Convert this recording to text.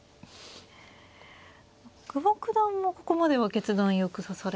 久保九段もここまでは決断よく指されて。